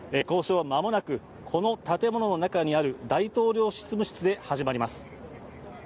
交渉はまもなく、この建物の中にある大統領執務室で行われます。